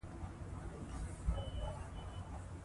ب زر با، ب زېر بي، ب پېښ بو، با بي بو